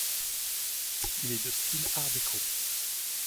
Il est de style art déco.